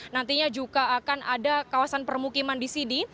nantinya juga akan ada kawasan permukiman di sini